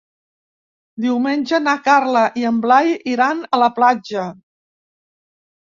Diumenge na Carla i en Blai iran a la platja.